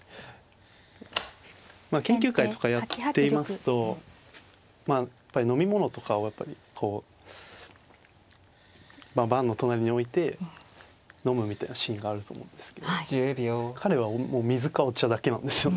研究会とかやっていますとやっぱり飲み物とかをこう盤の隣に置いて飲むみたいなシーンがあると思うんですけど彼はもう水かお茶だけなんですよね。